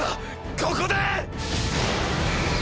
ここで！